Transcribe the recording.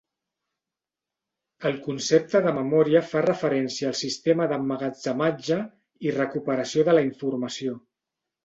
El concepte de memòria fa referència al sistema d'emmagatzematge i recuperació de la informació.